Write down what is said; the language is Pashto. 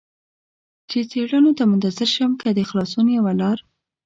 چې څېړنو ته منتظر شم، که د خلاصون یوه لار.